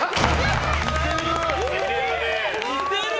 似てる！